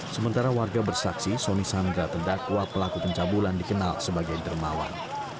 sementara warga bersaksi soni sandra terdakwa pelaku pencabulan dikenal sebagai dermawan